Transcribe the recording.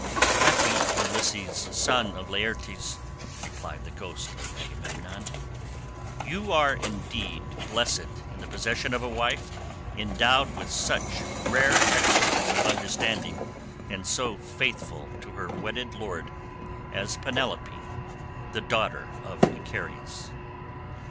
"Happy Ulysses, son of Laertes," replied the ghost of Agamemnon, "you are indeed blessed in the possession of a wife endowed with such rare excellence of understanding, and so faithful to her wedded lord as Penelope the daughter of Icarius.